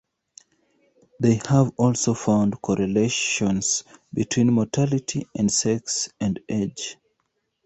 They have also found correlations between mortality and sex and age.